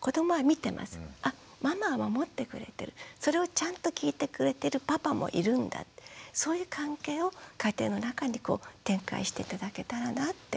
あママは守ってくれてるそれをちゃんと聞いてくれてるパパもいるんだそういう関係を家庭の中にこう展開して頂けたらなって思いますけどね。